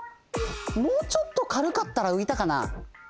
もうちょっとかるかったらういたかな？